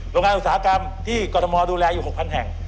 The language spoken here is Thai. โรงงานอุตสาหกรรมที่กรทมดูแลอยู่๖๐๐แห่ง